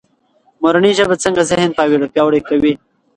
مورنۍ ژبه څنګه ذهن پیاوړی کوي؟